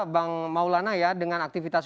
bang maulana ya dengan aktivitas